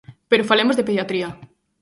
Pero falemos de pediatría.